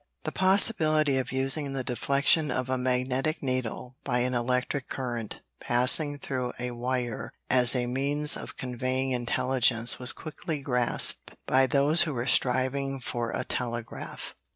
The possibility of using the deflection of a magnetic needle by an electric current passing through a wire as a means of conveying intelligence was quickly grasped by those who were striving for a telegraph.